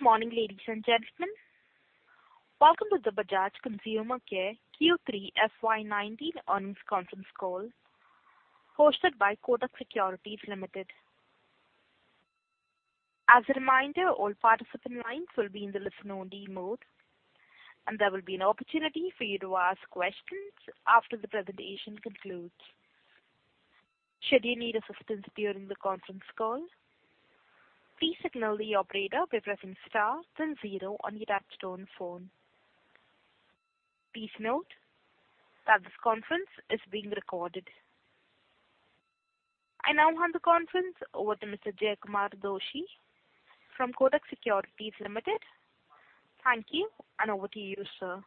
Good morning, ladies and gentlemen. Welcome to the Bajaj Consumer Care Q3 FY 2019 earnings conference call, hosted by Kotak Securities Limited. As a reminder, all participant lines will be in the listen-only mode, and there will be an opportunity for you to ask questions after the presentation concludes. Should you need assistance during the conference call, please signal the operator by pressing star then zero on your touch-tone phone. Please note that this conference is being recorded. I now hand the conference over to Mr. Jaykumar Doshi from Kotak Securities Limited. Thank you, and over to you, sir.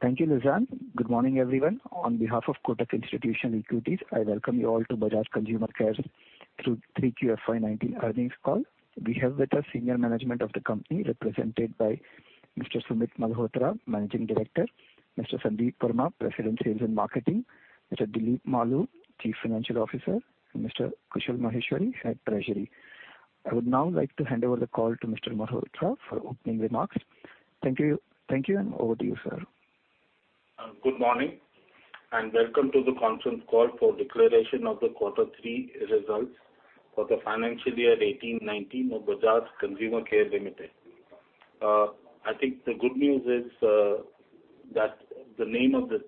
Thank you, Lizanne. Good morning, everyone. On behalf of Kotak Institutional Equities, I welcome you all to Bajaj Consumer Care Q3 FY 2019 earnings call. We have with us senior management of the company, represented by Mr. Sumit Malhotra, Managing Director, Mr. Sandeep Verma, President, Sales and Marketing, Mr. Dilip Maloo, Chief Financial Officer, and Mr. Kushal Maheshwari, Head Treasury. I would now like to hand over the call to Mr. Malhotra for opening remarks. Thank you, and over to you, sir. Good morning, welcome to the conference call for declaration of the Quarter 3 results for the financial year 2018-2019 of Bajaj Consumer Care Limited. I think the good news is that the name of the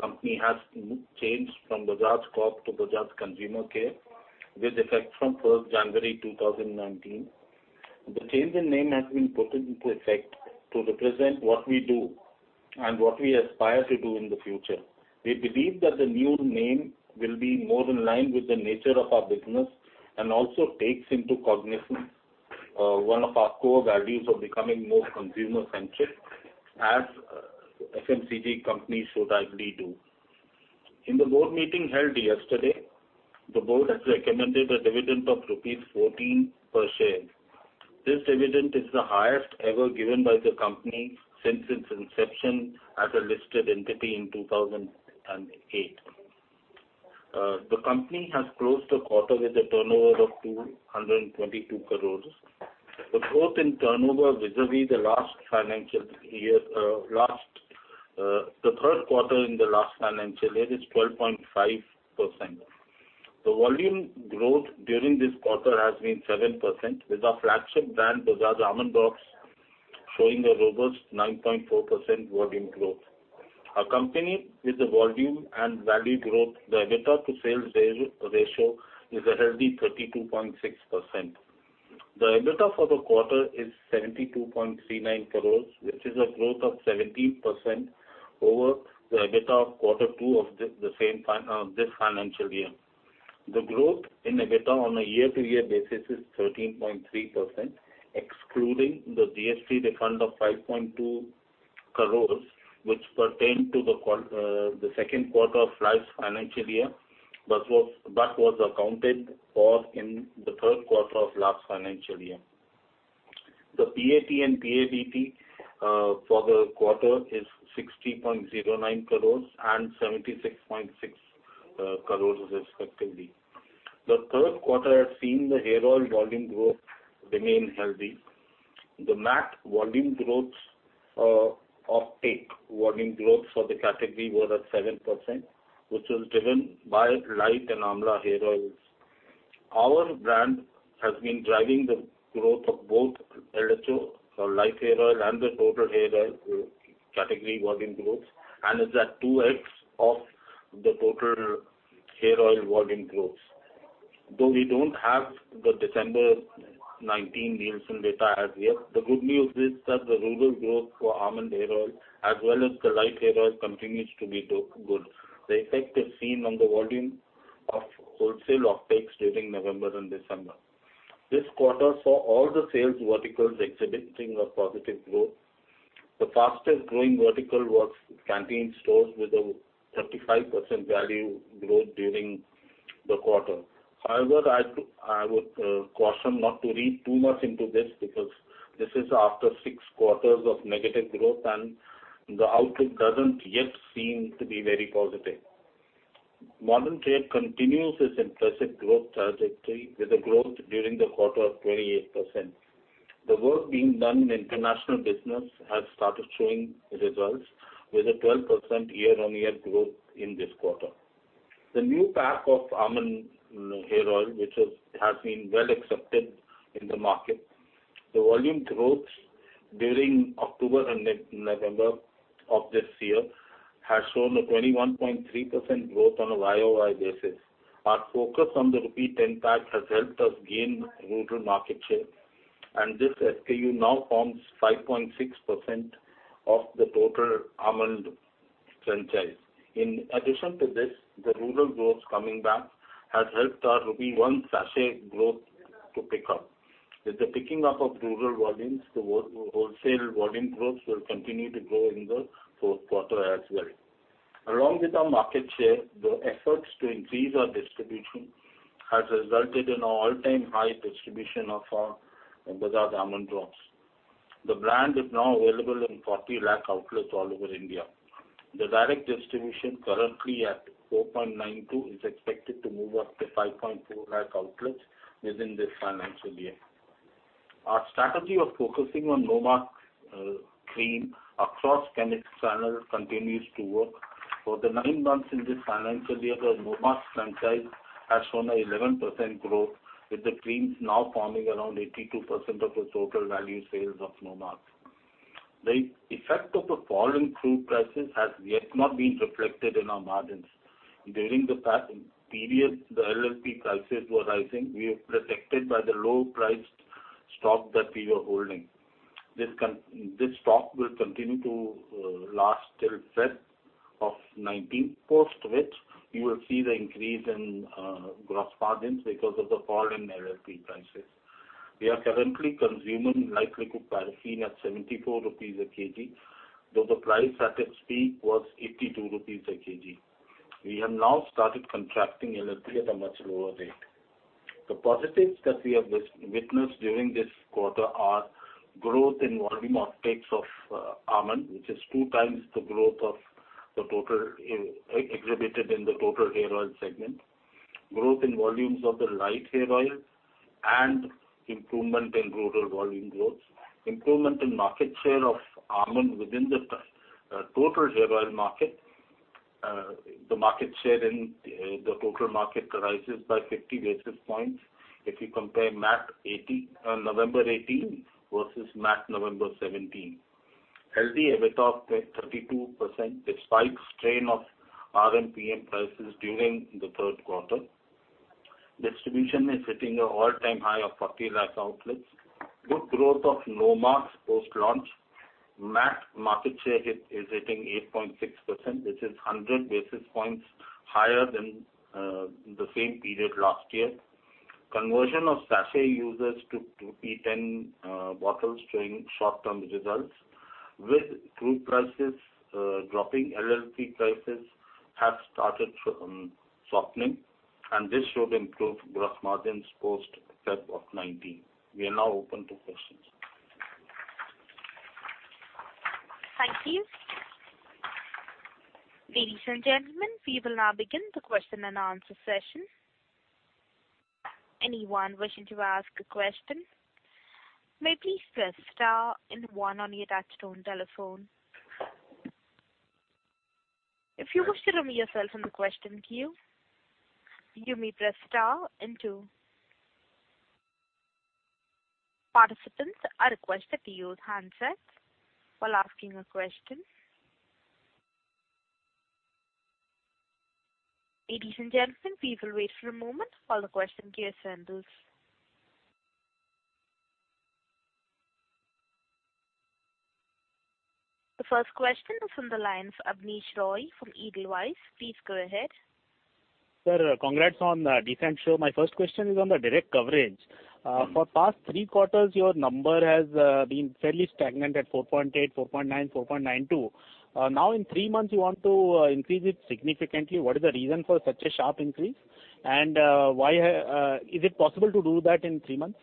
company has changed from Bajaj Corp to Bajaj Consumer Care with effect from 1st January 2019. The change in name has been put into effect to represent what we do and what we aspire to do in the future. We believe that the new name will be more in line with the nature of our business and also takes into cognizance one of our core values of becoming more consumer-centric as FMCG companies should ideally do. In the board meeting held yesterday, the board has recommended a dividend of rupees 14 per share. This dividend is the highest ever given by the company since its inception as a listed entity in 2008. The company has closed the quarter with a turnover of 222 crores. The growth in turnover vis-a-vis the third quarter in the last financial year is 12.5%. The volume growth during this quarter has been 7%, with our flagship brand, Bajaj Almond Drops, showing a robust 9.4% volume growth. Accompanied with the volume and value growth, the EBITDA to sales ratio is a healthy 32.6%. The EBITDA for the quarter is 72.39 crores, which is a growth of 17% over the EBITDA of Quarter 2 of this financial year. The growth in EBITDA on a year-over-year basis is 13.3%, excluding the GST refund of 5.2 crores, which pertained to the second quarter of last financial year, but was accounted for in the third quarter of last financial year. The PAT and PABT for the quarter is 60.09 crores and 76.6 crores respectively. The third quarter has seen the hair oil volume growth remain healthy. The MAT volume growth for the category was at 7%, which was driven by Lite and Amla hair oils. Our brand has been driving the growth of both LHO or Lite Hair Oil and the total hair oil category volume growth and is at 2X of the total hair oil volume growth. Though we don't have the December 2019 Nielsen data as yet, the good news is that the rural growth for almond hair oil, as well as the Lite Hair Oil, continues to be good. The effect is seen on the volume of wholesale during November and December. This quarter saw all the sales verticals exhibiting a positive growth. The fastest-growing vertical was canteen stores with a 35% value growth during the quarter. I would caution not to read too much into this because this is after six quarters of negative growth, and the outlook doesn't yet seem to be very positive. Modern trade continues its impressive growth trajectory with a growth during the quarter of 28%. The work being done in international business has started showing results with a 12% year-on-year growth in this quarter. The new pack of almond hair oil, which has been well accepted in the market. The volume growth during October and November of this year has shown a 21.3% growth on a YOY basis. Our focus on the rupee 10 pack has helped us gain rural market share, and this SKU now forms 5.6% of the total almond franchise. The rural growth coming back has helped our rupee 1 sachet growth to pick up. With the picking up of rural volumes, the wholesale volume growth will continue to grow in the fourth quarter as well. Along with our market share, the efforts to increase our distribution has resulted in an all-time high distribution of our Bajaj Almond Drops. The brand is now available in 40 lakh outlets all over India. The direct distribution, currently at 4.92 lakh, is expected to move up to 5.4 lakh outlets within this financial year. Our strategy of focusing on Nomarks cream across channel continues to work. For the nine months in this financial year, the Nomarks franchise has shown an 11% growth, with the creams now forming around 82% of the total value sales of Nomarks. The effect of the fall in crude prices has yet not been reflected in our margins. During the period the LLP prices were rising, we were protected by the low-priced stock that we were holding. This stock will continue to last till February of 2019, post which you will see the increase in gross margins because of the fall in LLP prices. We are currently consuming light liquid paraffin at 74 rupees a kg, though the price at its peak was 82 rupees a kg. We have now started contracting LLP at a much lower rate. The positives that we have witnessed during this quarter are growth in volume of Almond, which is two times the growth exhibited in the total hair oil segment, growth in volumes of the Lite Hair Oil, and improvement in rural volume growth. Improvement in market share of Almond within the total hair oil market. The market share in the total market rises by 50 basis points if you compare November 2018 versus November 2017. Healthy EBITDA at 32%, despite strain of RMPM prices during the third quarter. Distribution is hitting an all-time high of 40 lakh outlets. Good growth of Nomarks post-launch. MAT market share is hitting 8.6%, which is 100 basis points higher than the same period last year. Conversion of sachet users to P10 bottles showing short-term results. With crude prices dropping, LLP prices have started softening, and this should improve gross margins post February of 2019. We are now open to questions. Thank you. Ladies and gentlemen, we will now begin the question and answer session. Anyone wishing to ask a question may please press star and one on your touchtone telephone. If you wish to remove yourself from the question queue, you may press star and two. Participants are requested to use handsets while asking a question. Ladies and gentlemen, we will wait for a moment while the question queue assembles. The first question is on the line from Abneesh Roy from Edelweiss. Please go ahead. Sir, congrats on a decent show. My first question is on the direct coverage. For the past three quarters, your number has been fairly stagnant at 4.8, 4.9, 4.92. Now in three months, you want to increase it significantly. What is the reason for such a sharp increase? Is it possible to do that in three months?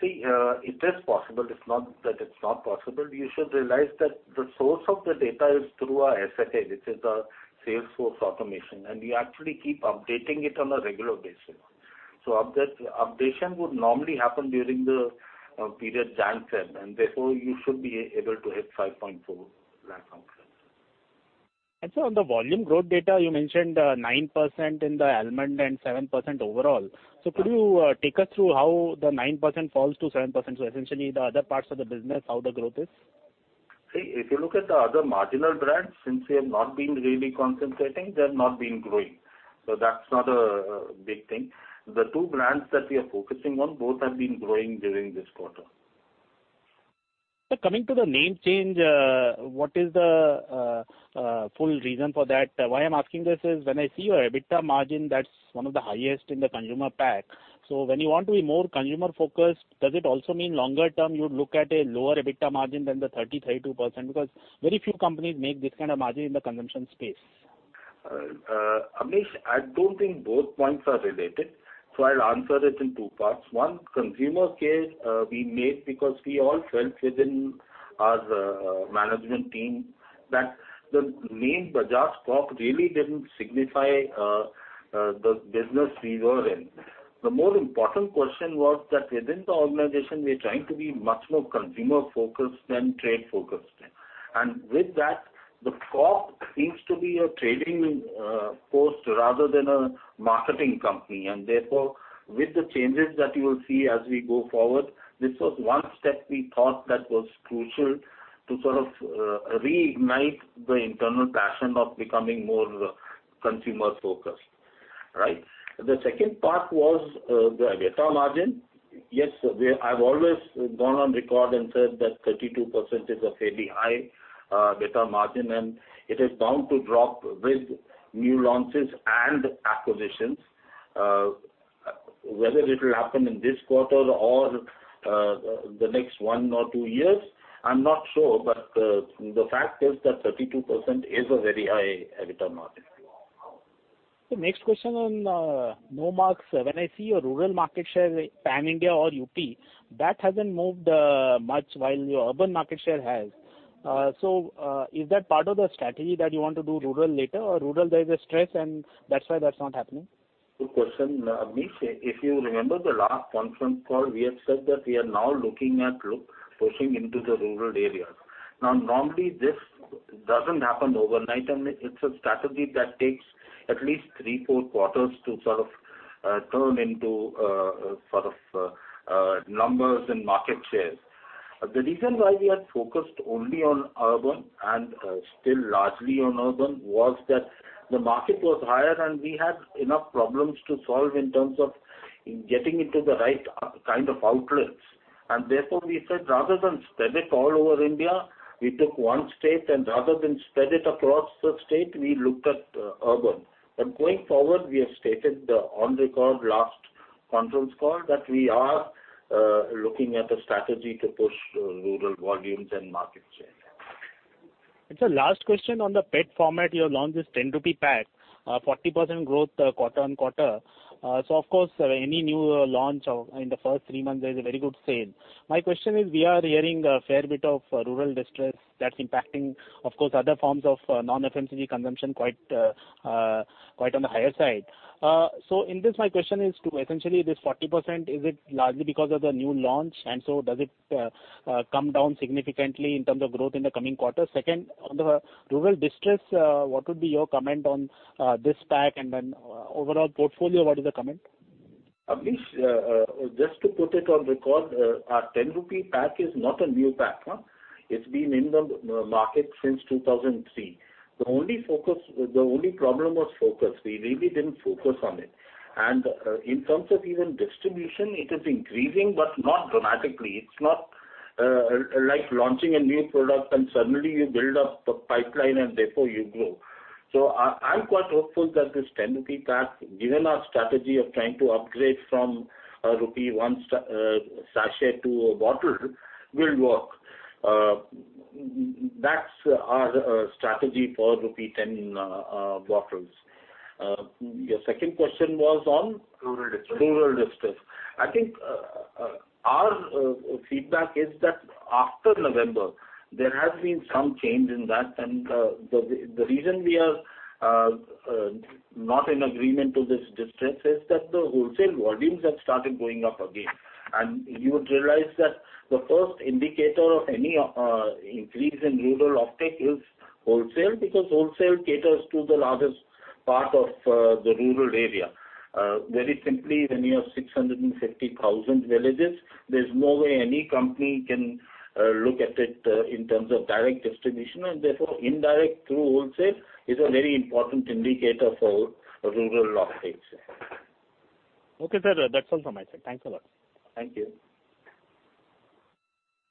See, it is possible. It is not that it is not possible. You should realize that the source of the data is through our SFA, which is our sales force automation, we actually keep updating it on a regular basis. Updation would normally happen during the period January, February, therefore you should be able to hit 5.4 lakh outlets. Sir, on the volume growth data, you mentioned 9% in the Almond and 7% overall. Could you take us through how the 9% falls to 7%? Essentially the other parts of the business, how the growth is? If you look at the other marginal brands, since we have not been really concentrating, they have not been growing. That's not a big thing. The two brands that we are focusing on, both have been growing during this quarter. Sir, coming to the name change, what is the full reason for that? Why I'm asking this is when I see your EBITDA margin, that's one of the highest in the consumer pack. When you want to be more consumer-focused, does it also mean longer-term you would look at a lower EBITDA margin than the 33.2% because very few companies make this kind of margin in the consumption space. Abneesh, I don't think both points are related. I'll answer it in two parts. One, Consumer Care we made because we all felt within our management team that the name Bajaj Corp really didn't signify the business we were in. The more important question was that within the organization, we're trying to be much more consumer-focused than trade-focused. With that, the Corp seems to be a trading post rather than a marketing company, therefore, with the changes that you will see as we go forward, this was one step we thought that was crucial to sort of reignite the internal passion of becoming more consumer-focused. The second part was the EBITDA margin. Yes, I've always gone on record and said that 32% is a very high EBITDA margin, it is bound to drop with new launches and acquisitions. Whether it will happen in this quarter or the next one or two years, I'm not sure, but the fact is that 32% is a very high EBITDA margin. Next question on Nomarks. When I see your rural market share, Pan India or UP, that hasn't moved much while your urban market share has. Is that part of the strategy that you want to do rural later, or rural there's a stress and that's why that's not happening? Good question, Abneesh. If you remember the last conference call, we had said that we are now looking at pushing into the rural areas. Normally this doesn't happen overnight, and it's a strategy that takes at least three, four quarters to sort of turn into numbers and market shares. The reason why we had focused only on urban and still largely on urban, was that the market was higher, and we had enough problems to solve in terms of getting into the right kind of outlets. Therefore, we said rather than spread it all over India, we took one state, and rather than spread it across the state, we looked at urban. Going forward, we have stated on the call last conference call that we are looking at a strategy to push rural volumes and market share. Sir, last question on the pet format, your launch is 10 rupee pack, 40% growth quarter-on-quarter. Of course, any new launch in the first three months, there is a very good sale. My question is, we are hearing a fair bit of rural distress that's impacting, of course, other forms of non-FMCG consumption quite on the higher side. In this, my question is to essentially this 40%, is it largely because of the new launch, and does it come down significantly in terms of growth in the coming quarters? Second, on the rural distress, what would be your comment on this pack, and then overall portfolio, what is the comment? Amish, just to put it on record, our 10 rupee pack is not a new pack, huh. It's been in the market since 2003. The only problem was focus. We really didn't focus on it. In terms of even distribution, it is increasing, but not dramatically. It's not like launching a new product and suddenly you build up a pipeline and therefore you grow. I'm quite hopeful that this 10 rupee pack, given our strategy of trying to upgrade from a INR one sachet to a bottle, will work. That's our strategy for rupee 10 bottles. Your second question was on? Rural distress. Rural distress. I think our feedback is that after November, there has been some change in that. The reason we are not in agreement to this distress is that the wholesale volumes have started going up again. You would realize that the first indicator of any increase in rural offtake is wholesale, because wholesale caters to the largest part of the rural area. Very simply, when you have 650,000 villages, there's no way any company can look at it in terms of direct distribution, and therefore indirect through wholesale is a very important indicator for rural offtakes. Okay, sir. That's all from my side. Thanks a lot. Thank you.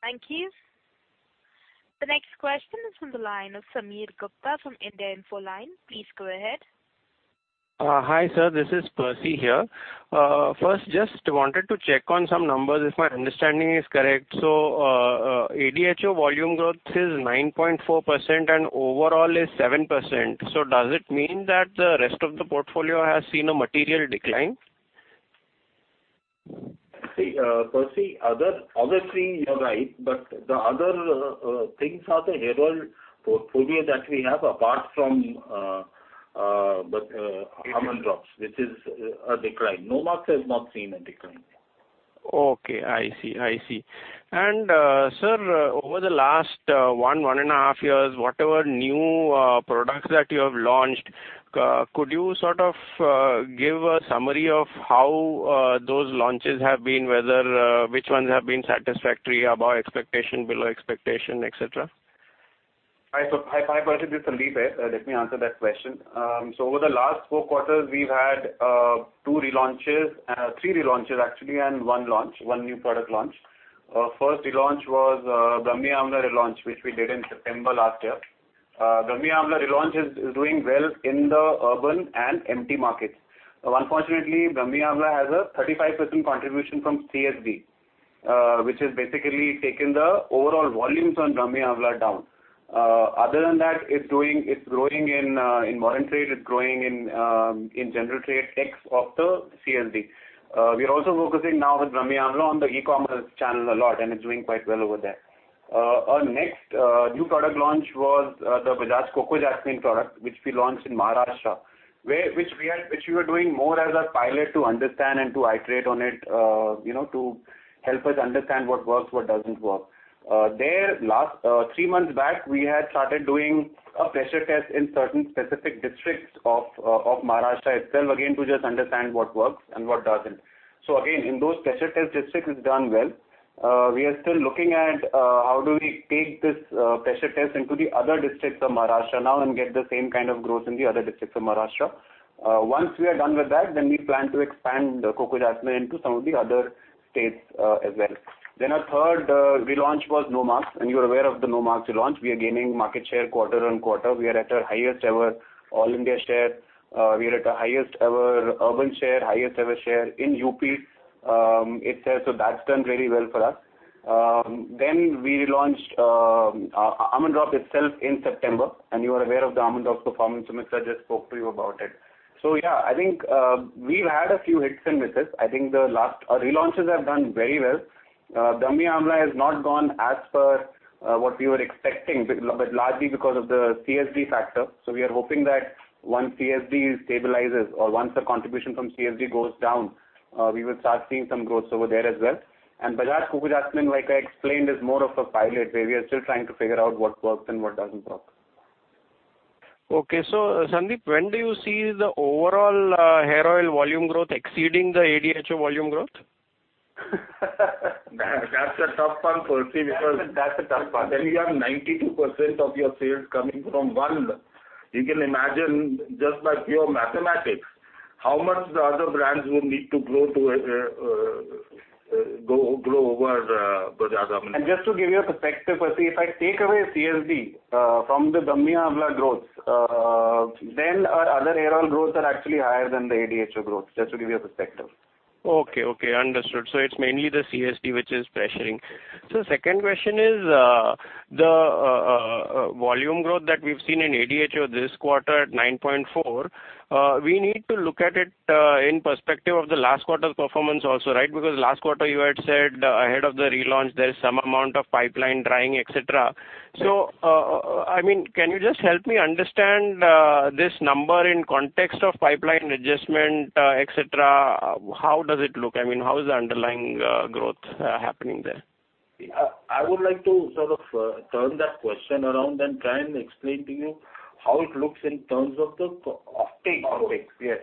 Thank you. The next question is from the line of Sameer Gupta from India Infoline. Please go ahead. Hi, sir. This is Percy here. First, just wanted to check on some numbers if my understanding is correct. ADHO volume growth is 9.4% and overall is 7%. Does it mean that the rest of the portfolio has seen a material decline? Percy, obviously you're right, but the other things are the overall portfolio that we have apart from Almond Drops, which is a decline. Nomarks has not seen a decline. Okay. I see. Sir, over the last one and a half years, whatever new products that you have launched, could you sort of give a summary of how those launches have been, whether which ones have been satisfactory, above expectation, below expectation, et cetera? Hi, Percy. This is Sandeep here. Let me answer that question. Over the last four quarters, we've had three relaunches actually, one new product launch. First relaunch was Brahmi Amla relaunch, which we did in September last year. Brahmi Amla relaunch is doing well in the urban and rural markets. Unfortunately, Brahmi Amla has a 35% contribution from CSD, which has basically taken the overall volumes on Brahmi Amla down. Other than that, it's growing in modern trade, it's growing in general trade, ex-of the CSD. We are also focusing now with Brahmi Amla on the e-commerce channel a lot, and it's doing quite well over there. Our next new product launch was the Bajaj Coco Jasmine product, which we launched in Maharashtra, which we were doing more as a pilot to understand and to iterate on it, to help us understand what works, what doesn't work. There, three months back, we had started doing a pressure test in certain specific districts of Maharashtra itself, again, to just understand what works and what doesn't. Again, in those pressure test districts, it's done well. We are still looking at how do we take this pressure test into the other districts of Maharashtra now and get the same kind of growth in the other districts of Maharashtra. Once we are done with that, then we plan to expand Coco Jasmine into some of the other states as well. Our third relaunch was Nomarks, you're aware of the Nomarks relaunch. We are gaining market share quarter-on-quarter. We are at our highest ever all-India share. We are at our highest ever urban share, highest ever share in U.P. itself. That's done really well for us. We launched Almond Drops itself in September, you are aware of the Almond Drops performance. Sumita just spoke to you about it. Yeah, I think we've had a few hits and misses. I think the relaunches have done very well. Dabur Amla has not gone as per what we were expecting, but largely because of the CSD factor. We are hoping that once CSD stabilizes or once the contribution from CSD goes down, we will start seeing some growth over there as well. Bajaj Coco Jasmine, like I explained, is more of a pilot where we are still trying to figure out what works and what doesn't work. Okay. Sandeep, when do you see the overall hair oil volume growth exceeding the ADHO volume growth? That's a tough one, Percy. That's a tough one. When you have 92% of your sales coming from one, you can imagine just by pure mathematics how much the other brands will need to grow over Bajaj Coco Jasmine. Just to give you a perspective, Percy, if I take away CSD from the Dabur Amla growth, then our other hair oil growths are actually higher than the ADHO growth, just to give you a perspective. Okay. Understood. It's mainly the CSD which is pressuring. The second question is, the volume growth that we've seen in ADHO this quarter at 9.4%, we need to look at it in perspective of the last quarter's performance also, right? Because last quarter you had said ahead of the relaunch, there is some amount of pipeline drying, et cetera. Can you just help me understand this number in context of pipeline adjustment, et cetera? How does it look? How is the underlying growth happening there? I would like to sort of turn that question around and try and explain to you how it looks in terms of the offtake. Offtake, yes.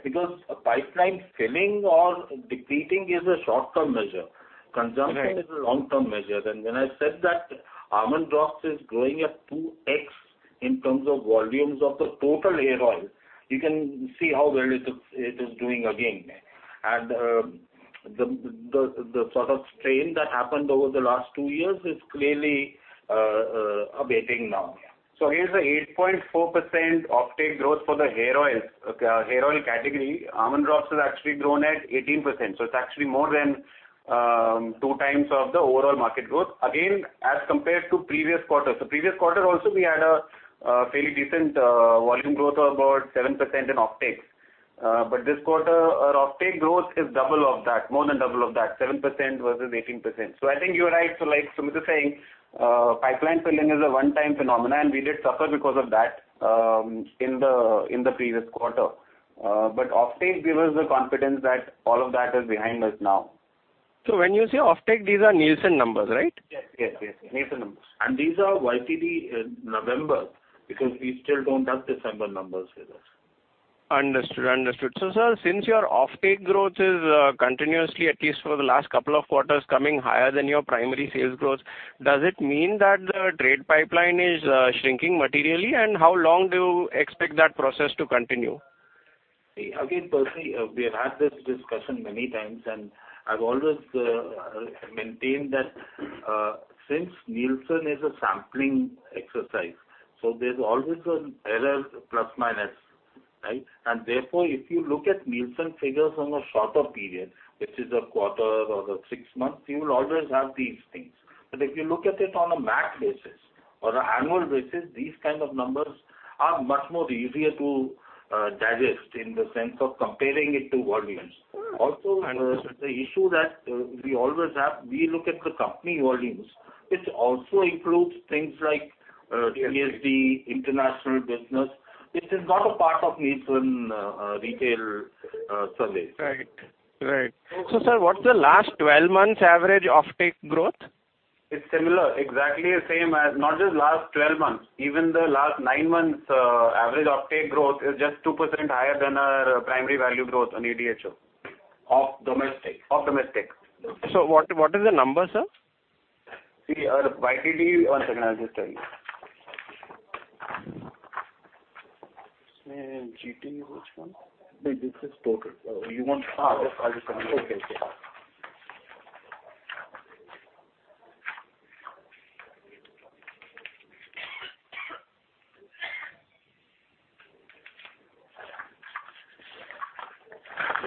pipeline filling or depleting is a short-term measure. Consumption is a long-term measure. When I said that Almond Drops is growing at 2x in terms of volumes of the total hair oil, you can see how well it is doing again. The sort of strain that happened over the last two years is clearly abating now. Here's the 8.4% offtake growth for the hair oil category. Almond Drops has actually grown at 18%. It's actually more than two times of the overall market growth, again, as compared to previous quarters. Previous quarter also, we had a fairly decent volume growth of about 7% in offtakes. This quarter, our offtake growth is double of that, more than double of that, 7% versus 18%. I think you're right. Like Sumit saying, pipeline filling is a one-time phenomenon. We did suffer because of that in the previous quarter. Offtake gives us the confidence that all of that is behind us now. When you say offtake, these are Nielsen numbers, right? Yes. Nielsen numbers. these are YTD November, because we still don't have December numbers with us. Understood. Sir, since your offtake growth is continuously, at least for the last couple of quarters, coming higher than your primary sales growth, does it mean that the trade pipeline is shrinking materially? How long do you expect that process to continue? Again, Percy, we have had this discussion many times, and I've always maintained that since Nielsen is a sampling exercise, so there's always an error, plus, minus. Therefore, if you look at Nielsen figures on a shorter period, which is a quarter or six months, you will always have these things. If you look at it on a MAT basis or an annual basis, these kind of numbers are much more easier to digest in the sense of comparing it to volumes. Also, the issue that we always have, we look at the company volumes, which also includes things like CSD, international business, which is not a part of Nielsen retail surveys. Right. Sir, what's the last 12 months average offtake growth? It's similar, exactly the same as not just last 12 months, even the last nine months, average offtake growth is just 2% higher than our primary value growth on ADHO. Of domestic. Of domestic. What is the number, sir? YTD, one second, I'll just tell you. GT is which one? This is total. You want I'll just tell you. Okay.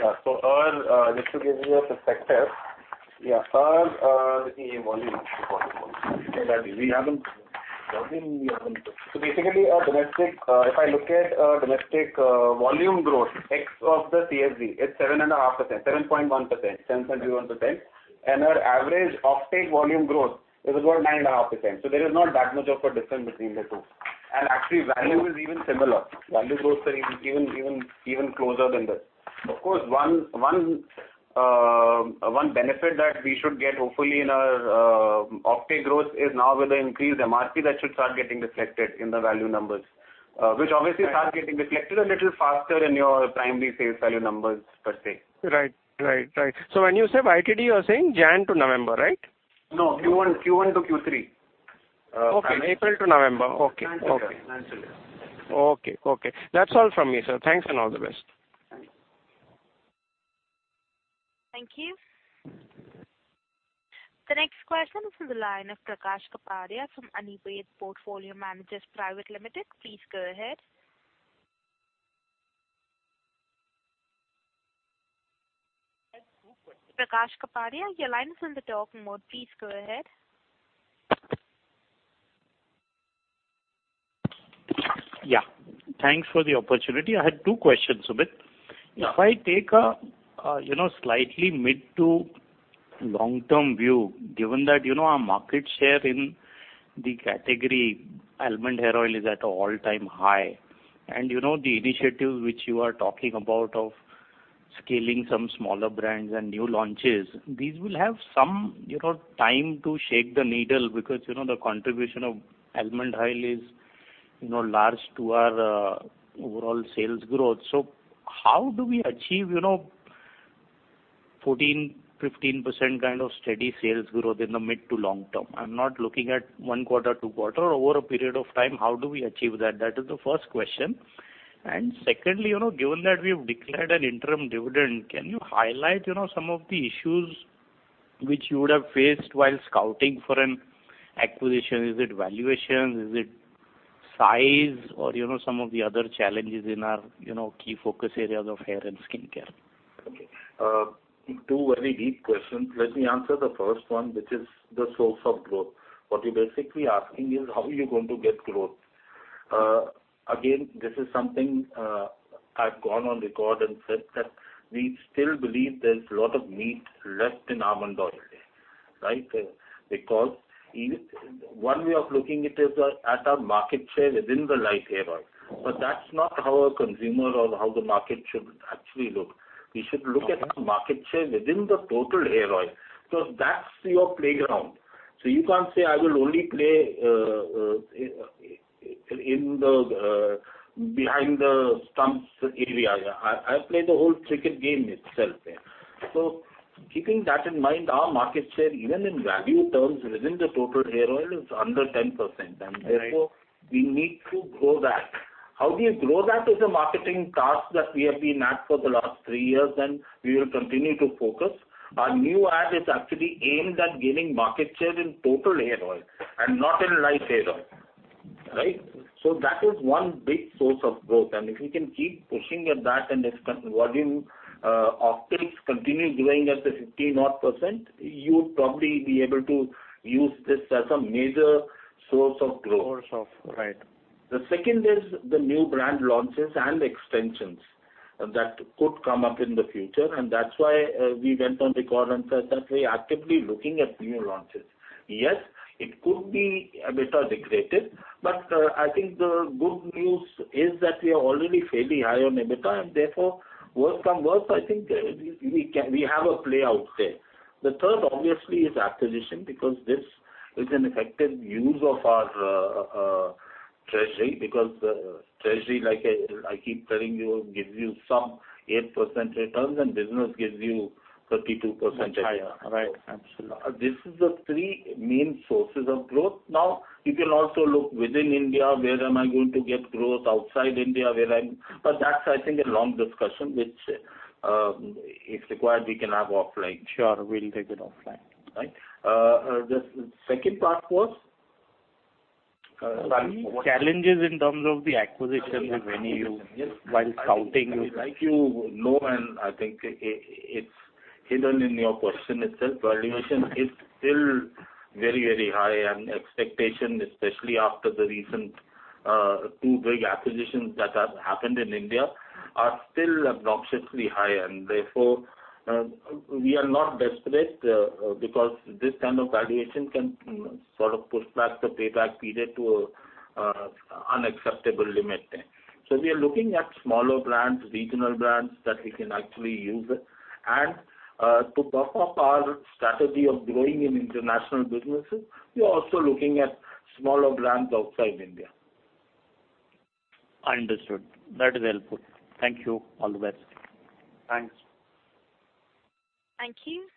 Yeah. Just to give you a perspective. Yeah. Let me see volume. Basically, if I look at domestic volume growth X of the CSD, it's 7.1%, 7.1%, 7.1%. Our average offtake volume growth is about 9.5%. There is not that much of a difference between the two. Actually, value is even similar. Value growth are even closer than this. Of course, one benefit that we should get hopefully in our offtake growth is now with the increased MRP, that should start getting reflected in the value numbers, which obviously start getting reflected a little faster in your primary sales value numbers per se. Right. When you say YTD, you are saying January to November, right? No, Q1-Q3. Okay. April to November. Okay. Nine months. Okay. That's all from me, sir. Thanks and all the best. Thank you. Thank you. The next question is from the line of Prakash Kapadia from Anived Portfolio Managers Private Limited. Please go ahead. Prakash Kapadia, your line is on the talking mode. Please go ahead. Yeah. Thanks for the opportunity. I had two questions, Sumit. Yeah. If I take a slightly mid to long-term view, given that our market share in the category almond hair oil is at an all-time high, the initiative which you are talking about of scaling some smaller brands and new launches, these will have some time to shake the needle because the contribution of almond oil is large to our overall sales growth. How do we achieve 14%-15% kind of steady sales growth in the mid to long term? I'm not looking at one quarter, two quarters. Over a period of time, how do we achieve that? That is the first question. Secondly, given that we have declared an interim dividend, can you highlight some of the issues which you would have faced while scouting for an acquisition? Is it valuation? Is it size or some of the other challenges in our key focus areas of hair and skincare? Okay. Two very deep questions. Let me answer the first one, which is the source of growth. What you're basically asking is, how are you going to get growth? Again, this is something I've gone on record and said that we still believe there's a lot of meat left in almond oil. One way of looking it is at our market share within the light hair oil. That's not how a consumer or how the market should actually look. We should look at our market share within the total hair oil. That's your playground. You can't say, I will only play behind the stumps area. I play the whole cricket game itself. Keeping that in mind, our market share, even in value terms within the total hair oil, is under 10%. Therefore, we need to grow that. How do you grow that is a marketing task that we have been at for the last three years, and we will continue to focus. Our new ad is actually aimed at gaining market share in total hair oil and not in light hair oil. That is one big source of growth. If we can keep pushing at that and this volume of sales continue growing at the 15-odd%, you would probably be able to use this as a major source of growth. Source of, right. The second is the new brand launches and extensions that could come up in the future, and that's why we went on record and said that we are actively looking at new launches. Yes, it could be EBITDA dilutive, but I think the good news is that we are already fairly high on EBITDA, and therefore worse come to worse, I think we have a playout there. The third obviously is acquisition because this is an effective use of our treasury because treasury, like I keep telling you, gives you some 8% returns, and business gives you 32% returns. Much higher. Right. Absolutely. These are the three main sources of growth. You can also look within India, where am I going to get growth, outside India. That's I think a long discussion, which, if required, we can have offline. Sure. We'll take it offline. Right. The second part was? Sorry. Challenges in terms of the acquisitions. Yes. while scouting. Like you know, I think it's hidden in your question itself, valuation is still very, very high, and expectation, especially after the recent two big acquisitions that have happened in India, are still obnoxiously high. Therefore, we are not desperate because this kind of valuation can sort of push back the payback period to an unacceptable limit. We are looking at smaller brands, regional brands that we can actually use. To buff up our strategy of growing in international businesses, we are also looking at smaller brands outside India. Understood. That is helpful. Thank you. All the best. Thanks. Thank you.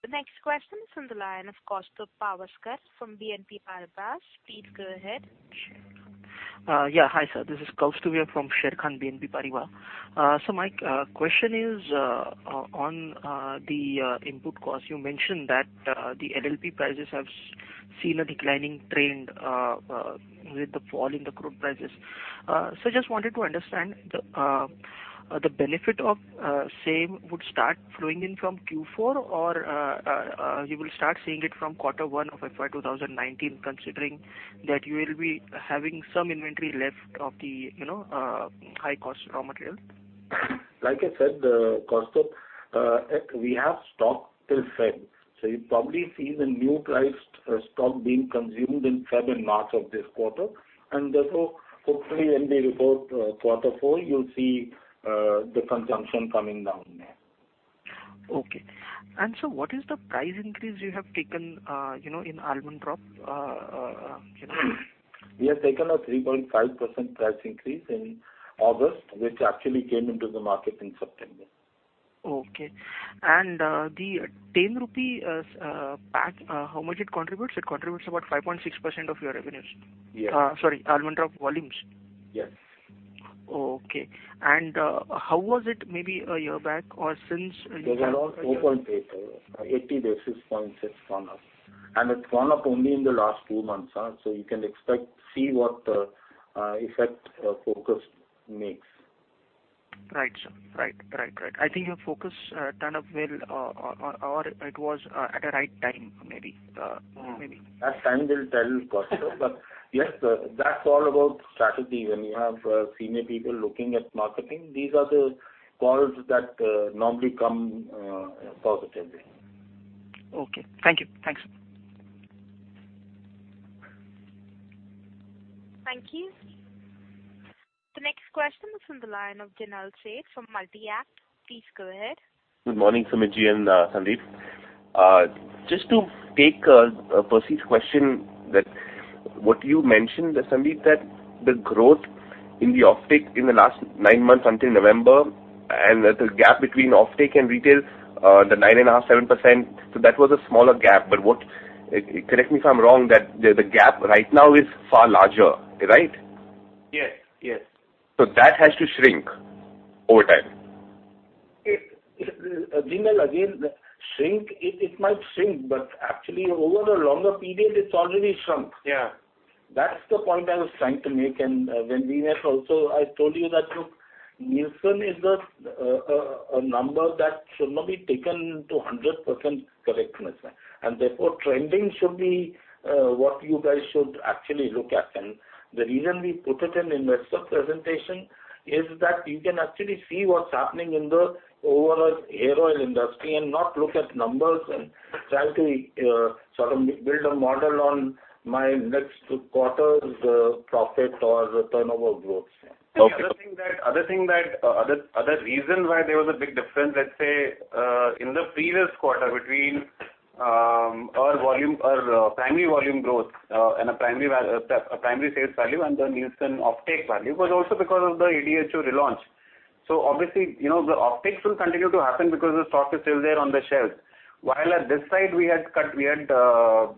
The next question is on the line of Kaustubh Pawaskar from BNP Paribas. Please go ahead. Sure. Hi, sir. This is Kaustubh here from Sharekhan by BNP Paribas. My question is on the input cost. You mentioned that the LLP prices have seen a declining trend with the fall in the crude prices. Just wanted to understand, the benefit of same would start flowing in from Q4, or you will start seeing it from quarter one of FY 2019, considering that you will be having some inventory left of the high-cost raw material? Like I said, Kaustubh, we have stock till Feb. You'll probably see the new priced stock being consumed in Feb and March of this quarter. Therefore, hopefully when we report quarter four, you'll see the consumption coming down there. Okay. Sir, what is the price increase you have taken in Almond Drops? We have taken a 3.5% price increase in August, which actually came into the market in September. Okay. The 10 rupee pack, how much it contributes? It contributes about 5.6% of your revenues? Yes. Sorry, Almond Drops volumes. Yes. Okay. How was it maybe a year back or since you have- It was around 4.8 basis points. 80 basis points it's gone up. It's gone up only in the last two months. You can expect to see what effect our focus makes. Right, sir. I think your focus turned up well or it was at a right time, maybe. That time will tell, of course, sir. But yes, that's all about strategy. When you have senior people looking at marketing, these are the calls that normally come positively. Okay. Thank you. Thank you. The next question is from the line of Jinal Sheth from Multi-Act. Please go ahead. Good morning, Sumit and Sandeep. Just to take Percy's question, what you mentioned, Sandeep, that the growth in the offtake in the last nine months until November, and that the gap between offtake and retail, the nine and a half%, seven%, that was a smaller gap. Correct me if I'm wrong, that the gap right now is far larger, right? Yes. That has to shrink over time. Jinal, again, it might shrink, actually over a longer period, it's already shrunk. Yeah. That's the point I was trying to make. When we were also, I told you that, look, Nielsen is a number that should not be taken to 100% correctness. Therefore, trending should be what you guys should actually look at. The reason we put it in investor presentation is that you can actually see what's happening in the overall hair oil industry and not look at numbers and try to sort of build a model on my next quarter's profit or turnover growth. Okay. The other reason why there was a big difference, let's say, in the previous quarter between our primary volume growth and a primary sales value, and the Nielsen offtake value, was also because of the ADHO relaunch. Obviously, the offtakes will continue to happen because the stock is still there on the shelves. While at this side, we had shut down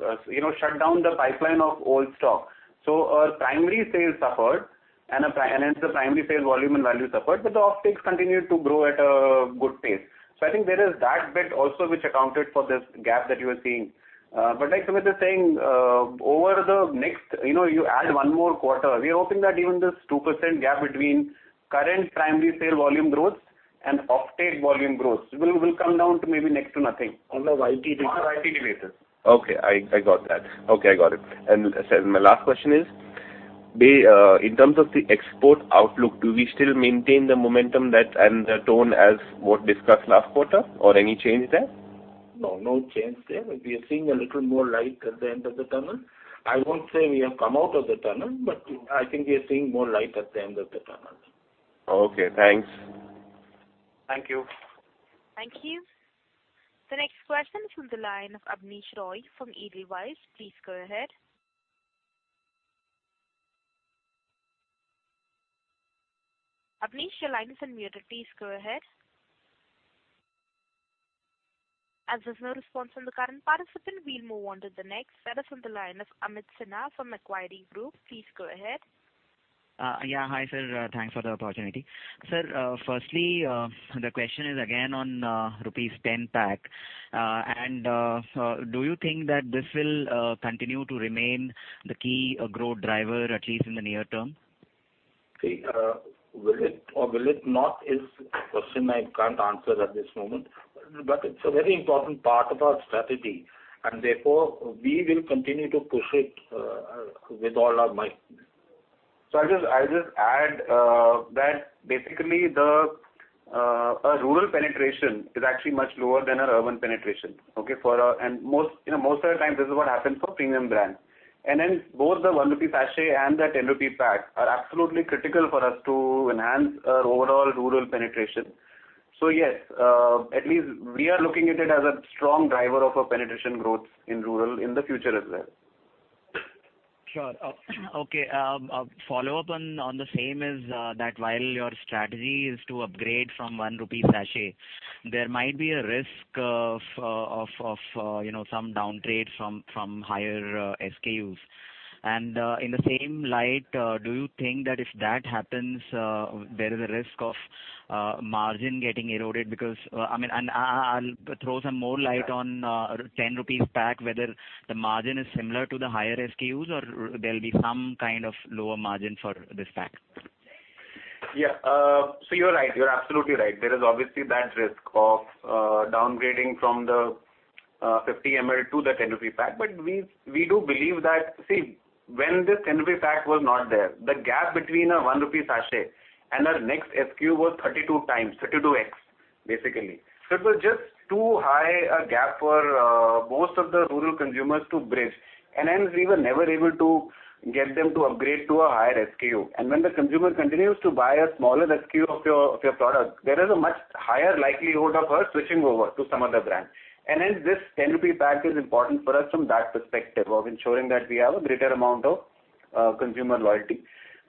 the pipeline of old stock. Our primary sales suffered, and hence the primary sales volume and value suffered, but the offtakes continued to grow at a good pace. I think there is that bit also which accounted for this gap that you are seeing. Like Sumit is saying, you add one more quarter, we are hoping that even this 2% gap between current primary sale volume growth and offtake volume growth will come down to maybe next to nothing. On a YTD basis. On a YTD basis. Okay, I got that. Okay, I got it. Sir, my last question is, in terms of the export outlook, do we still maintain the momentum and the tone as what discussed last quarter, or any change there? No, no change there. We are seeing a little more light at the end of the tunnel. I won't say we have come out of the tunnel, but I think we are seeing more light at the end of the tunnel. Okay, thanks. Thank you. Thank you. The next question is from the line of Abneesh Roy from Edelweiss. Please go ahead. Abneesh, your line is unmuted. Please go ahead. As there's no response from the current participant, we'll move on to the next. That is on the line of Amit Sinha from Macquarie Group. Please go ahead. Yeah, hi, sir. Thanks for the opportunity. Sir, firstly, the question is again on rupees 10 pack. Do you think that this will continue to remain the key growth driver, at least in the near term? Will it or will it not is a question I can't answer at this moment, it's a very important part of our strategy, therefore, we will continue to push it with all our might. I'll just add that basically our rural penetration is actually much lower than our urban penetration, okay. Most of the time, this is what happens for premium brands. Both the 1 rupee sachet and the 10 rupee pack are absolutely critical for us to enhance our overall rural penetration. Yes, at least we are looking at it as a strong driver of our penetration growth in rural in the future as well. Sure. Okay. A follow-up on the same is that while your strategy is to upgrade from 1 rupee sachet, there might be a risk of some downtrade from higher SKUs. In the same light, do you think that if that happens, there is a risk of margin getting eroded because I'll throw some more light on 10 rupees pack, whether the margin is similar to the higher SKUs or there'll be some kind of lower margin for this pack. You're absolutely right. There is obviously that risk of downgrading from the 50ml to the 10 rupee pack. We do believe that, see, when this 10 rupee pack was not there, the gap between an 1 rupee sachet and our next SKU was 32 times, 32x, basically. It was just too high a gap for most of the rural consumers to bridge. Hence, we were never able to get them to upgrade to a higher SKU. When the consumer continues to buy a smaller SKU of your product, there is a much higher likelihood of her switching over to some other brand. Hence, this 10 rupee pack is important for us from that perspective of ensuring that we have a greater amount of consumer loyalty.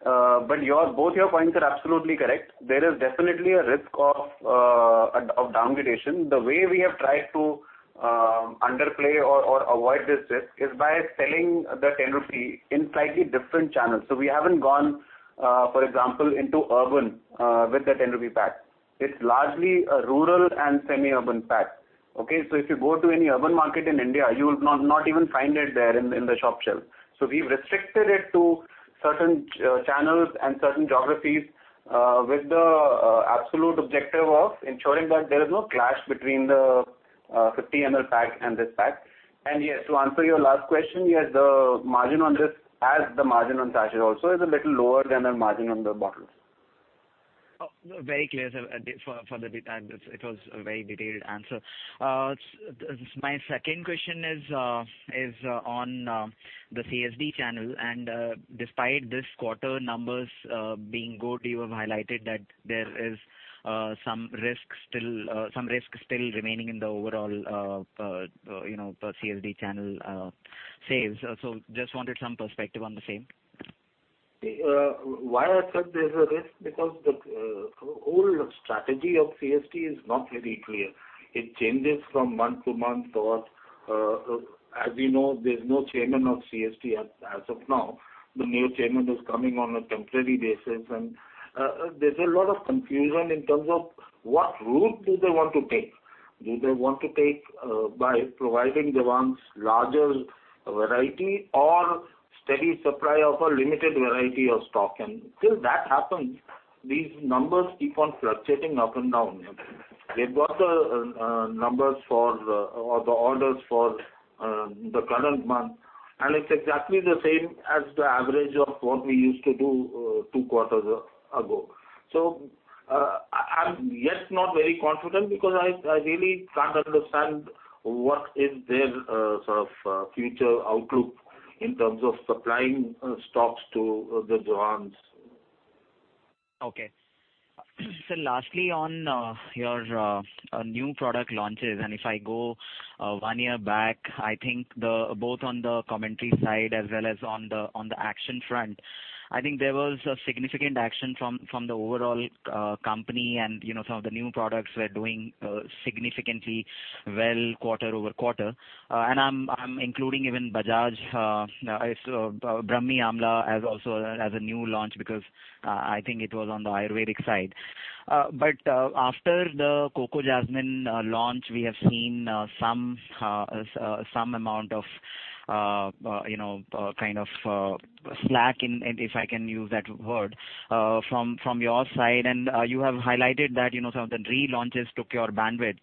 Both your points are absolutely correct. There is definitely a risk of upgradation. The way we have tried to underplay or avoid this risk is by selling the 10 rupee in slightly different channels. We haven't gone, for example, into urban with the 10 rupee pack. It's largely a rural and semi-urban pack. Okay? If you go to any urban market in India, you will not even find it there in the shop shelf. We've restricted it to certain channels and certain geographies with the absolute objective of ensuring that there is no clash between the 50 ml pack and this pack. Yes, to answer your last question, yes, the margin on this, as the margin on sachet also, is a little lower than the margin on the bottles. Very clear, sir. It was a very detailed answer. My second question is on the CSD channel. Despite this quarter numbers being good, you have highlighted that there is some risk still remaining in the overall CSD channel sales. Just wanted some perspective on the same. Why I said there is a risk, the whole strategy of CSD is not very clear. It changes from month to month. As you know, there's no chairman of CSD as of now. The new chairman is coming on a temporary basis, and there's a lot of confusion in terms of what route do they want to take. Do they want to take by providing the ones larger variety or steady supply of a limited variety of stock? Till that happens, these numbers keep on fluctuating up and down. They've got the numbers for, or the orders for the current month, and it's exactly the same as the average of what we used to do two quarters ago. I'm just not very confident because I really can't understand what is their sort of future outlook in terms of supplying stocks to the brands. Okay. Sir, lastly, on your new product launches, if I go one year back, I think both on the commentary side as well as on the action front, I think there was a significant action from the overall company and some of the new products were doing significantly well quarter-over-quarter. I'm including even Bajaj Brahmi Amla as also as a new launch because I think it was on the Ayurvedic side. After the Coco Jasmine launch, we have seen some amount of slack, if I can use that word, from your side. You have highlighted that some of the relaunches took your bandwidth.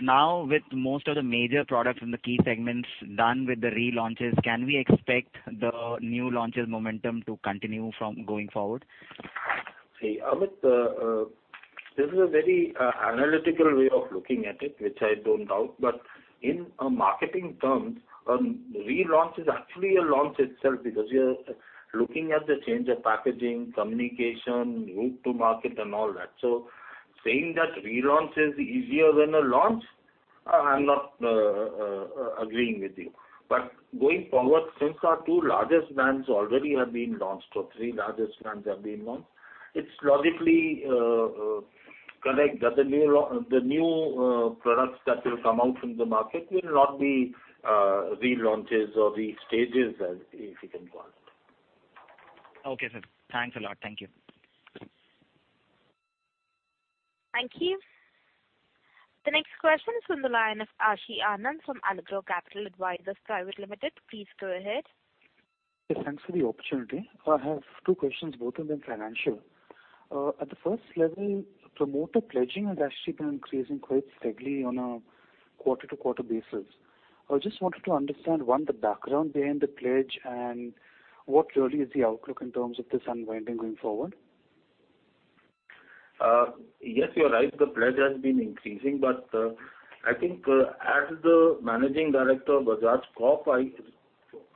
Now with most of the major products from the key segments done with the relaunches, can we expect the new launches momentum to continue from going forward? See, Amit, this is a very analytical way of looking at it, which I don't doubt, but in marketing terms, relaunch is actually a launch itself because you're looking at the change of packaging, communication, route to market and all that. Saying that relaunch is easier than a launch, I'm not agreeing with you. Going forward, since our two largest brands already have been launched, or three largest brands have been launched, it's logically correct that the new products that will come out in the market will not be relaunches or restages, if you can call it. Okay, sir. Thanks a lot. Thank you. Thank you. The next question is from the line of Aashi Anand from Allegro Capital Advisors Private Limited. Please go ahead. Thanks for the opportunity. I have two questions, both of them financial. At the first level, promoter pledging has actually been increasing quite steadily on a quarter-over-quarter basis. I just wanted to understand, one, the background behind the pledge, and what really is the outlook in terms of this unwinding going forward? Yes, you're right. The pledge has been increasing. I think as the Managing Director of Bajaj Corp, I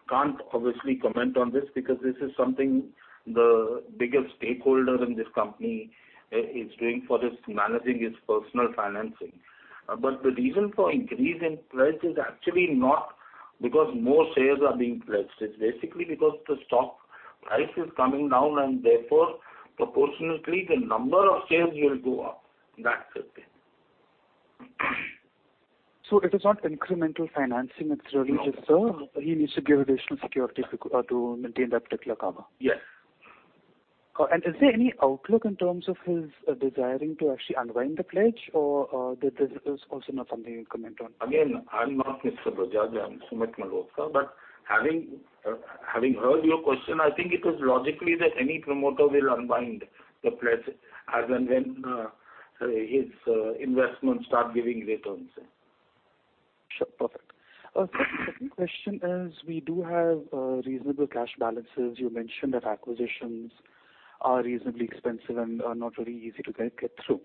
can't obviously comment on this because this is something the biggest stakeholder in this company is doing for managing his personal financing. The reason for increase in pledge is actually not because more shares are being pledged. It's basically because the stock price is coming down and therefore proportionately, the number of shares will go up. That's the thing. It is not incremental financing, it's really just. No. He needs to give additional security to maintain that particular cover. Yes. Is there any outlook in terms of his desiring to actually unwind the pledge, or this is also not something you comment on? Again, I'm not Kushagra Bajaj, I'm Sumit Malhotra. Having heard your question, I think it is logically that any promoter will unwind the pledge as and when his investments start giving returns. Sure. Perfect. Second question is, we do have reasonable cash balances. You mentioned that acquisitions are reasonably expensive and are not very easy to get through.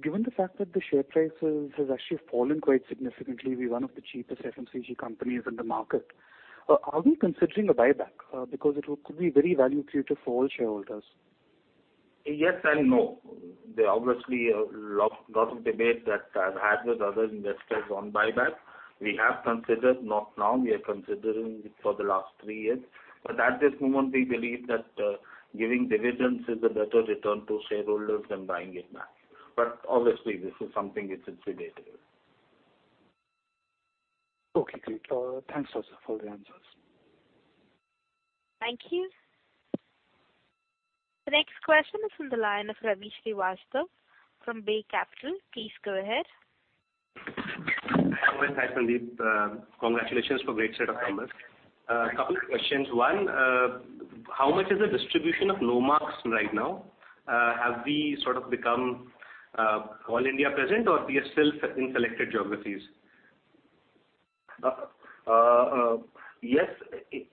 Given the fact that the share prices has actually fallen quite significantly, we're one of the cheapest FMCG companies in the market. Are we considering a buyback? Because it could be very value creative for all shareholders. Yes and no. There's obviously a lot of debate that I've had with other investors on buyback. We have considered, not now. We are considering it for the last three years. At this moment, we believe that giving dividends is a better return to shareholders than buying it back. Obviously, this is something which is debatable. Okay, great. Thanks a lot, sir, for the answers. Thank you. The next question is on the line of Ravi Srivastava from Bay Capital. Please go ahead. Hi, Sandeep. Congratulations for great set of numbers. Thanks. A couple of questions. One, how much is the distribution of Nomarks right now? Have we sort of become all-India present, or we are still in selected geographies? Yes.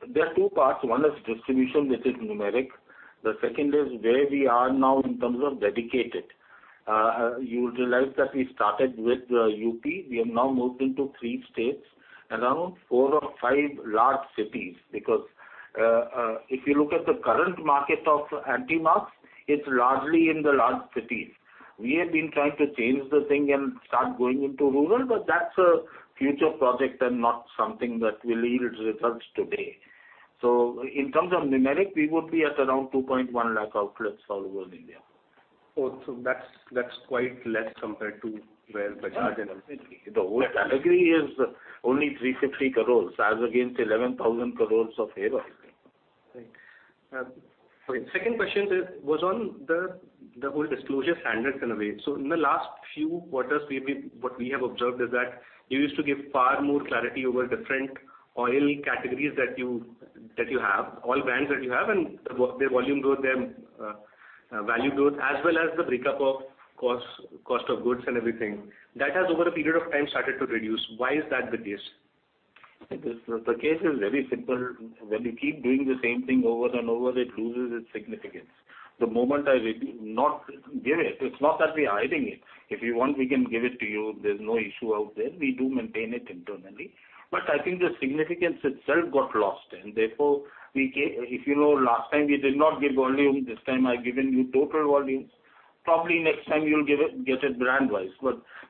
There are two parts. One is distribution, which is numeric. The second is where we are now in terms of dedicated. You would realize that we started with UP. We have now moved into 3 states, around four or five large cities. Because if you look at the current market of anti-marks, it is largely in the large cities. We have been trying to change the thing and start going into rural, but that is a future project and not something that will yield results today. In terms of numeric, we would be at around 2.1 lakh outlets all over India. That is quite less compared to where Bajaj and others. The whole category is only 350 crore, as against 11,000 crore of hair. Right. Okay, 2nd question was on the whole disclosure standards in a way. In the last few quarters, what we have observed is that you used to give far more clarity over different oil categories that you have, all brands that you have, and their volume growth, their value growth, as well as the break-up of cost of goods and everything. That has, over a period of time, started to reduce. Why is that the case? The case is very simple. When you keep doing the same thing over and over, it loses its significance. The moment I not give it's not that we are hiding it. If you want, we can give it to you. There's no issue out there. We do maintain it internally. I think the significance itself got lost, and therefore, if you know, last time we did not give volume, this time I've given you total volumes. Probably next time you'll get it brand wise.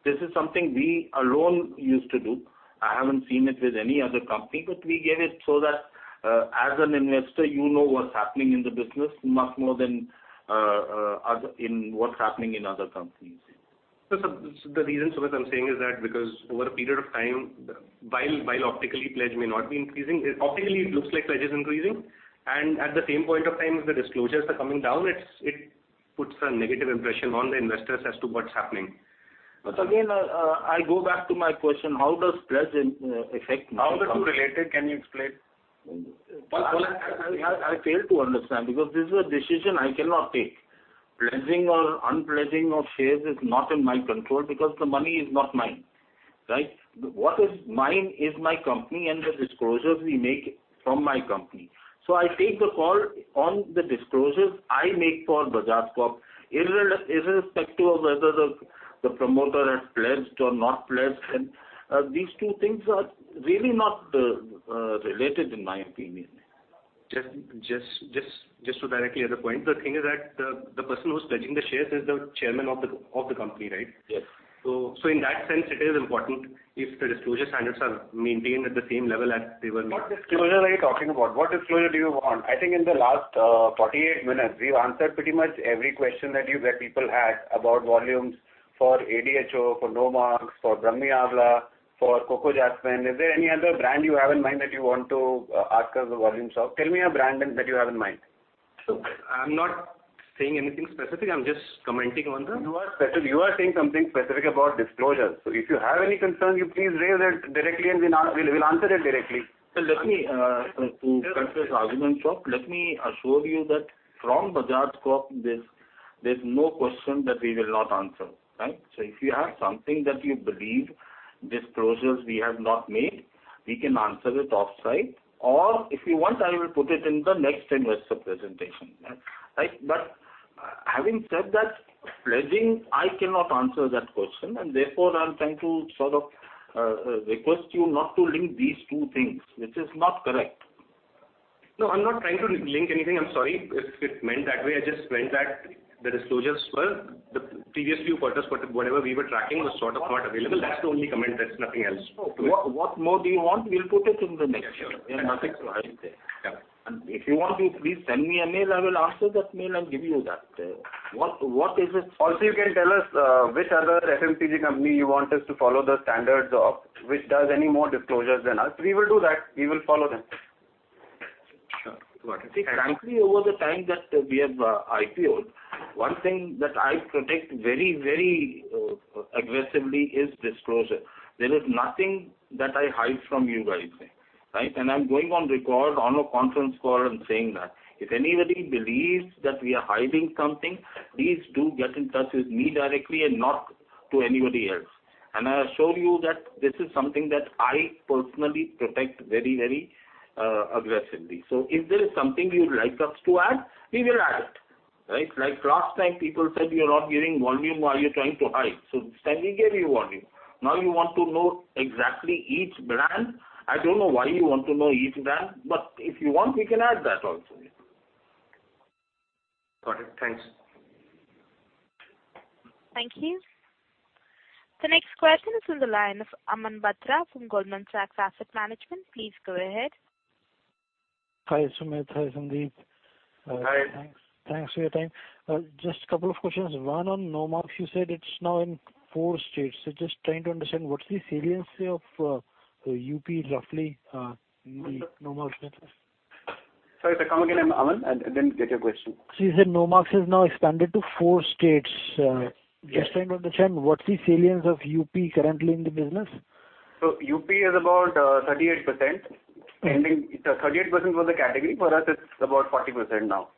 This is something we alone used to do. I haven't seen it with any other company, but we gave it so that as an investor you know what's happening in the business much more than what's happening in other companies. The reason, sir, I'm saying is that because over a period of time, while optically pledge may not be increasing, optically it looks like pledge is increasing, and at the same point of time, if the disclosures are coming down, it puts a negative impression on the investors as to what's happening. Again, I go back to my question, how does pledge affect me? How are the two related? Can you explain? I fail to understand, because this is a decision I cannot take. Pledging or unpledging of shares is not in my control because the money is not mine. What is mine is my company and the disclosures we make from my company. I take the call on the disclosures I make for Bajaj Corp, irrespective of whether the promoter has pledged or not pledged. These two things are really not related, in my opinion. Just to directly hear the point, the thing is that the person who's pledging the shares is the Chairman of the company, right? Yes. In that sense, it is important if the disclosure standards are maintained at the same level as they were made. What disclosure are you talking about? What disclosure do you want? I think in the last 48 minutes, we've answered pretty much every question that people had about volumes for ADHO, for Nomarks, for Brahmi Amla, for Coco Jasmine. Is there any other brand you have in mind that you want to ask us the volumes of? Tell me a brand that you have in mind. I'm not saying anything specific. I'm just commenting on the- You are saying something specific about disclosures. If you have any concerns, you please raise it directly, and we'll answer it directly. Sir, to cut this argument short, let me assure you that from Bajaj Corp, there's no question that we will not answer. If you have something that you believe disclosures we have not made, we can answer it offsite, or if you want, I will put it in the next investor presentation. Having said that, pledging, I cannot answer that question, and therefore I'm trying to sort of request you not to link these two things, which is not correct. No, I'm not trying to link anything. I'm sorry if it meant that way. I just meant that the disclosures for the previous few quarters, whatever we were tracking, was sort of not available. That's the only comment. There's nothing else to it. What more do you want? We'll put it in the next quarter. Sure. There's nothing to hide there. Yeah. If you want to, please send me a mail. I will answer that mail and give you that. Also, you can tell us which other FMCG company you want us to follow the standards of, which does any more disclosures than us. We will do that. We will follow them. Sure. See, frankly, over the time that we have IPO'd, one thing that I protect very aggressively is disclosure. There is nothing that I hide from you guys. I am going on record on a conference call and saying that. If anybody believes that we are hiding something, please do get in touch with me directly and not to anybody else. I assure you that this is something that I personally protect very aggressively. If there is something you'd like us to add, we will add it. Like last time, people said, "You're not giving volume. Why are you trying to hide?" This time we gave you volume. Now you want to know exactly each brand. I don't know why you want to know each brand, but if you want, we can add that also. Got it. Thanks. Thank you. The next question is on the line of Aman Batra from Goldman Sachs Asset Management. Please go ahead. Hi, Sumit. Hi, Sandeep. Hi. Thanks for your time. Just a couple of questions. One on Nomarks, you said it's now in four states. Just trying to understand, what's the saliency of UP roughly in the Nomarks business? Sorry, come again, Aman. I didn't get your question. You said Nomarks has now expanded to four states. Yes. Just trying to understand, what's the salience of UP currently in the business? UP is about 38%, 38% for the category. For us, it's about 40% now.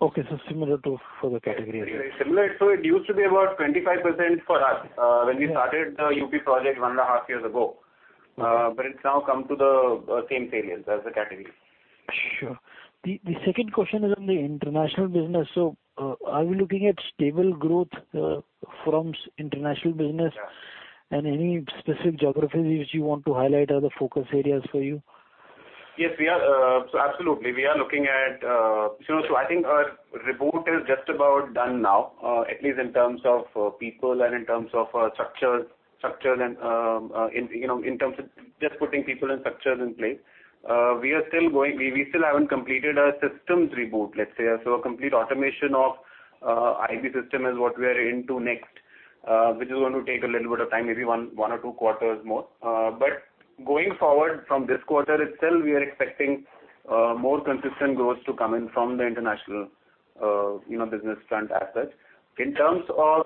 Okay. Similar to for the category. Similar. It used to be about 25% for us when we started the UP project one and a half years ago. It's now come to the same salience as the category. Sure. The second question is on the international business. Are we looking at stable growth from international business? Yeah. Any specific geographies which you want to highlight are the focus areas for you? Yes. Absolutely, we are looking at. I think our reboot is just about done now, at least in terms of people and in terms of structures, and in terms of just putting people and structures in place. We still haven't completed our systems reboot, let's say. A complete automation of IV system is what we are into next, which is going to take a little bit of time, maybe one or two quarters more. Going forward from this quarter itself, we are expecting more consistent growth to come in from the international business front as such. In terms of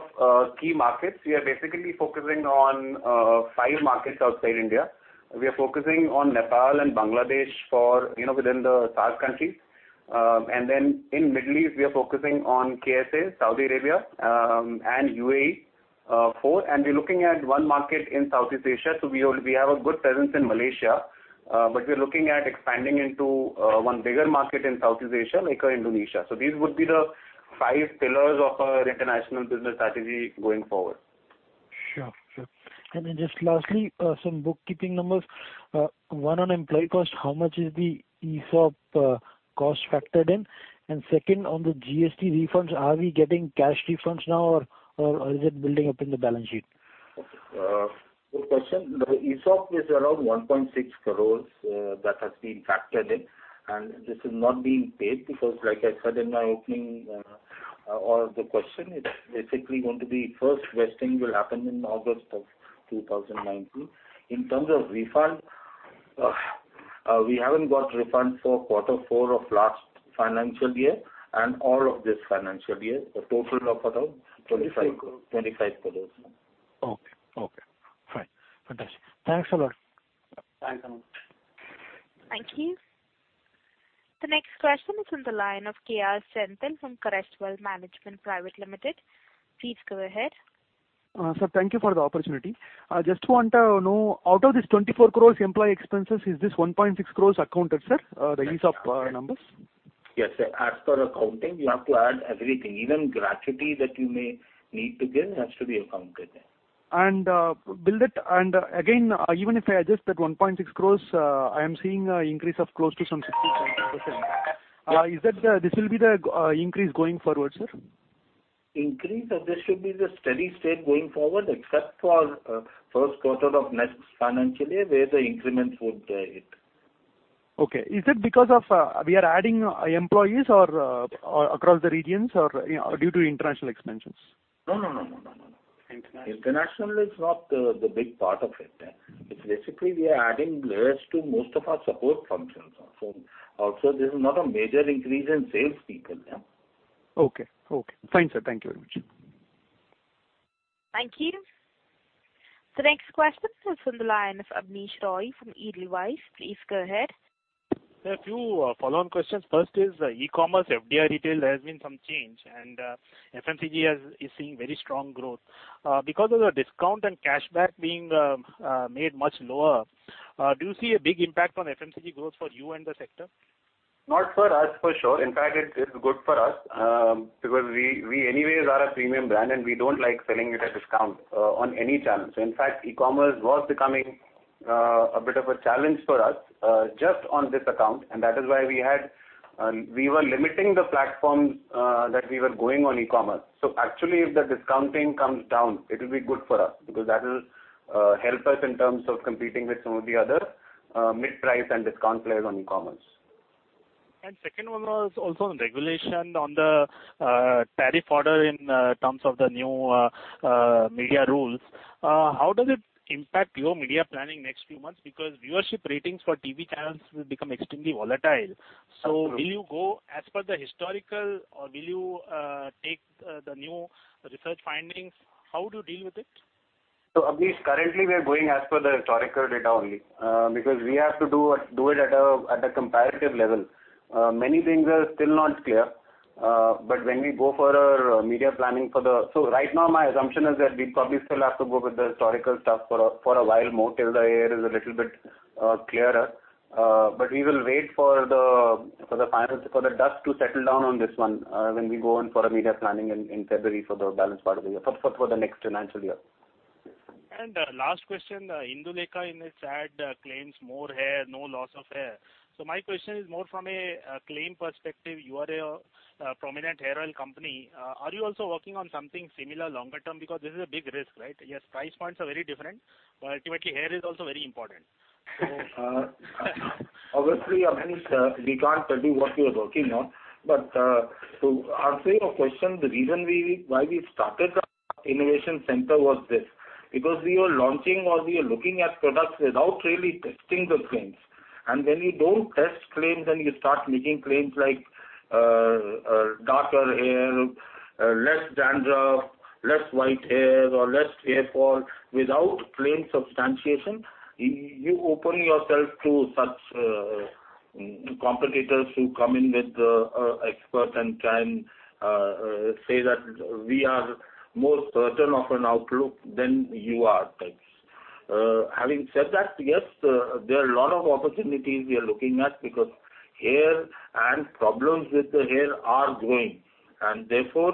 key markets, we are basically focusing on five markets outside India. We are focusing on Nepal and Bangladesh within the SAARC countries. Then in Middle East, we are focusing on KSA, Saudi Arabia, and UAE. Four. We're looking at one market in Southeast Asia. We have a good presence in Malaysia. We're looking at expanding into one bigger market in Southeast Asia, aka Indonesia. These would be the five pillars of our international business strategy going forward. Sure. Then just lastly, some bookkeeping numbers. One on employee cost, how much is the ESOP cost factored in? Second, on the GST refunds, are we getting cash refunds now or is it building up in the balance sheet? Good question. The ESOP is around 1.6 crores, that has been factored in, and this is not being paid because like I said in my opening or the question, it's basically going to be first vesting will happen in August of 2019. In terms of refund, we haven't got refund for quarter four of last financial year and all of this financial year, a total of around 25 crores. Okay. Fine. Fantastic. Thanks a lot. Thanks, Aman. Thank you. The next question is on the line of K. R. Senthil from Crest Wealth Management Private Limited. Please go ahead. Sir, thank you for the opportunity. I just want to know, out of this 24 crore employee expenses, is this 1.6 crore accounted, sir, the ESOP numbers? Yes, sir. As per accounting, you have to add everything. Even gratuity that you may need to give has to be accounted. Again, even if I adjust that 1.6 crore, I am seeing an increase of close to some 60%-70%. This will be the increase going forward, sir? Increase, this should be the steady state going forward, except for first quarter of next financial year, where the increments would hit. Okay. Is it because we are adding employees across the regions or due to international expansions? No. International. International is not the big part of it. It's basically we are adding layers to most of our support functions also. This is not a major increase in salespeople. Okay. Fine, sir. Thank you very much. Thank you. The next question is from the line of Abneesh Roy from Edelweiss. Please go ahead. Sir, a few follow-on questions. First is, e-commerce, FDI retail, there has been some change, and FMCG is seeing very strong growth. Because of the discount and cashback being made much lower, do you see a big impact on FMCG growth for you and the sector? Not for us, for sure. In fact, it is good for us, because we anyways are a premium brand, and we don't like selling at a discount on any channel. In fact, e-commerce was becoming a bit of a challenge for us, just on this account, and that is why we were limiting the platforms that we were going on e-commerce. Actually, if the discounting comes down, it will be good for us, because that will help us in terms of competing with some of the other mid-price and discount players on e-commerce. Second one was also on regulation on the tariff order in terms of the new media rules. How does it impact your media planning next few months? Because viewership ratings for TV channels will become extremely volatile. Absolutely. Will you go as per the historical, or will you take the new research findings? How do you deal with it? Abneesh, currently we are going as per the historical data only, because we have to do it at a comparative level. Many things are still not clear. When we go for our media planning for the. Right now, my assumption is that we probably still have to go with the historical stuff for a while more, till the air is a little bit clearer. We will wait for the dust to settle down on this one, when we go in for a media planning in February for the balance part of the year, for the next financial year. Last question, Indulekha in its ad claims more hair, no loss of hair. My question is more from a claim perspective, you are a prominent hair oil company. Are you also working on something similar longer term? This is a big risk, right? Yes, price points are very different, but ultimately, hair is also very important. Obviously, Amit, we can't tell you what we are working on. To answer your question, the reason why we started the innovation center was this. We were launching or we were looking at products without really testing the claims. When you don't test claims, and you start making claims like darker hair, less dandruff, less white hair, or less hair fall without claim substantiation, you open yourself to such competitors who come in with expert and can say that we are more certain of an outlook than you are types. Having said that, yes, there are a lot of opportunities we are looking at because hair and problems with the hair are growing, and therefore,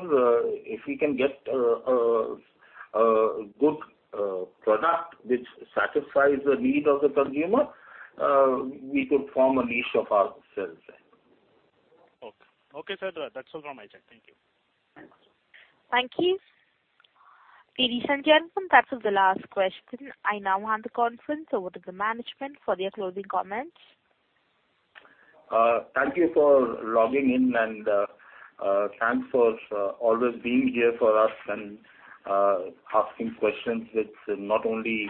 if we can get a good product which satisfies the need of the consumer, we could form a niche of ourselves there. Okay, sir. That's all from my side. Thank you. Thank you. Ladies and gentlemen, that was the last question. I now hand the conference over to the management for their closing comments. Thank you for logging in, and thanks for always being here for us and asking questions which not only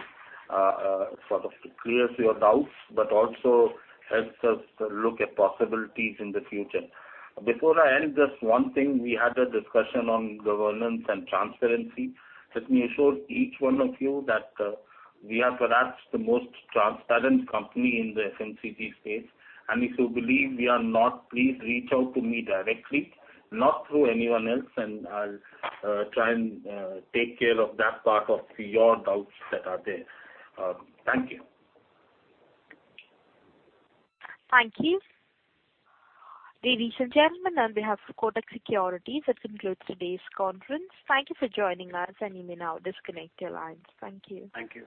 clears your doubts but also helps us look at possibilities in the future. Before I end, just one thing, we had a discussion on governance and transparency. Let me assure each one of you that we are perhaps the most transparent company in the FMCG space. If you believe we are not, please reach out to me directly, not through anyone else, and I'll try and take care of that part of your doubts that are there. Thank you. Thank you. Ladies and gentlemen, on behalf of Kotak Securities, this concludes today's conference. Thank you for joining us, and you may now disconnect your lines. Thank you. Thank you.